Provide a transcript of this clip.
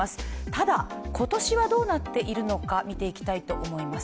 ただ、今年はどうなっているのか見ていきたいと思います。